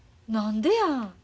何でや？